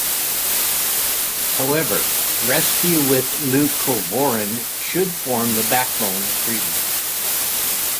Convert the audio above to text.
However, rescue with leucovorin should form the backbone of treatment.